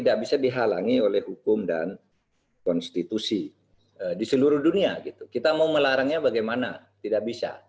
konstitusi di seluruh dunia kita mau melarangnya bagaimana tidak bisa